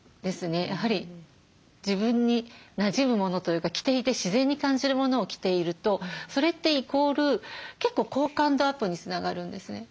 やはり自分になじむものというか着ていて自然に感じるものを着ているとそれってイコール結構好感度アップにつながるんですね。